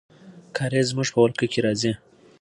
کارېز زموږ په ولکه کې راځي.